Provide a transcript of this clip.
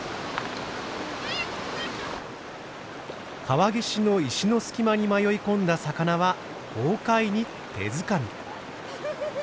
川岸の石の隙間に迷い込んだ魚は豪快に手づかみ。